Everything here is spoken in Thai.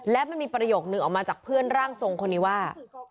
และมันมีประโยคนึงออกมาจากเพื่อนร่างทรงคนนี้ว่า